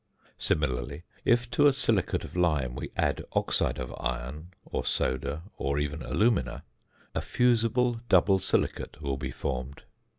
Similarly, if to a silicate of lime we add oxide of iron, or soda, or even alumina, a fusible double silicate will be formed.